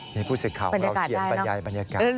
ในคู่ศึกข่าวเราเขียนบรรยายบรรยากาศ